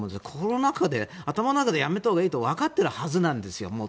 心の中で、頭の中でやめたほうがいいと分かっているはずなんですよ。